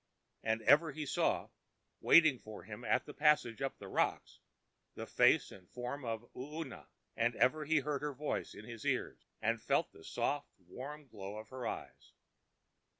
And ever he saw, waiting for him at the passage up the rocks, the face and the form of Oona, and ever he heard her voice in his ears and felt the soft, warm glow of her eyes.